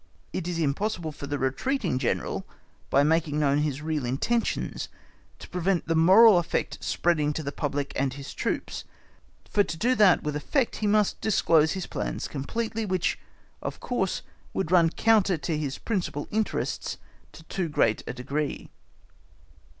It is impossible for the retreating General by making known his real intentions to prevent the moral effect spreading to the public and his troops, for to do that with effect he must disclose his plans completely, which of course would run counter to his principal interests to too great a degree.